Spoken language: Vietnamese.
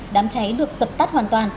đám cháy được sập tắt hoàn toàn